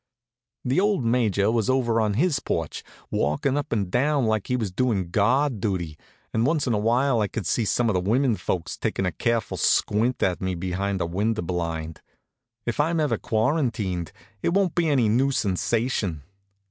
The old Major was over on his porch, walkin' up and down like he was doin' guard duty, and once in a while I could see some of the women folks takin' a careful squint at me from behind a window blind. If I'm ever quarantined, it won't be any new sensation.